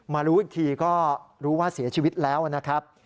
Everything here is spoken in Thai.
รู้อีกทีก็รู้ว่าเสียชีวิตแล้วนะครับ